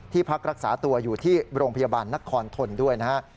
ที่พักรักษาตัวอยู่ที่โรงพยาบาลนักคอนทนด้วยนะครับ